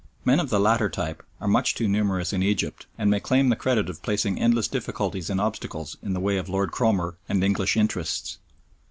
Men of the latter type are much too numerous in Egypt, and may claim the credit of placing endless difficulties and obstacles in the way of Lord Cromer and English interests.